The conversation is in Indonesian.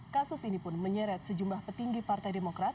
kasus ini pun menyeret sejumlah petinggi partai demokrat